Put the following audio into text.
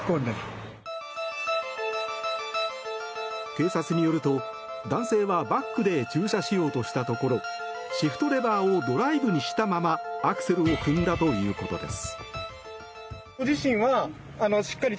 警察によると、男性はバックで駐車しようとしたところシフトレバーをドライブにしたままアクセルを踏んだということです。